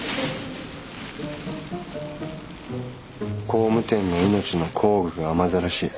工務店の命の工具が雨ざらし。